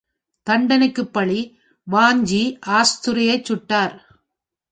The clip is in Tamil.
தண்டனைக்குப் பழி வாஞ்சி ஆஷ்துரையைச் சுட்டார்!